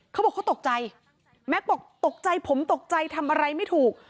เขาบอกเขาตกใจแม็กซ์บอกตกใจผมตกใจทำอะไรไม่ถูก